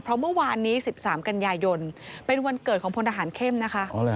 เพราะเมื่อวานนี้๑๓กันยายนเป็นวันเกิดของพลทหารเข้มนะคะ